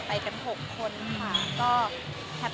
ไปกัน๖คนค่ะเราก็ขอบคุณครับ